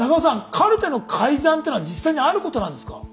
カルテの改ざんってのは実際にあることなんですか？